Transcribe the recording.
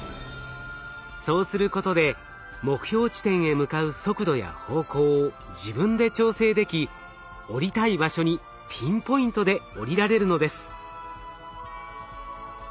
そうすることで目標地点へ向かう速度や方向を自分で調整でき降りたい場所にピンポイントで降りられるのです。